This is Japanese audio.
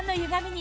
に